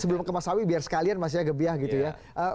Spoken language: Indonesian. sebelum ke mas awi biar sekalian masih agak biah gitu ya